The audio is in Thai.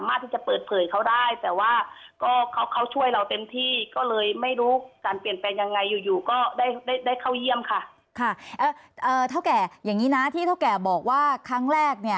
ค่ะท้าวแก่อย่างนี้นะที่ท้าวแก่บอกว่าครั้งแรก